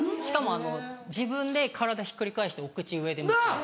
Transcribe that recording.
しかも自分で体ひっくり返してお口上で浮きます。